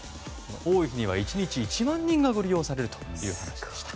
多い日は１日１万人がご利用されるということでした。